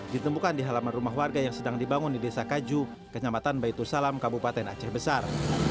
ditemukan di halaman rumah warga yang sedang dibangun di desa kaju kenyamatan baitul salam kabupaten aceh besar